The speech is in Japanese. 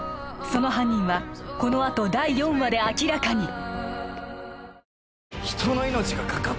その犯人はこのあと第４話で明らかに！